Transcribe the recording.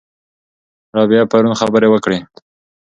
رابعه پرون خبرې وکړې.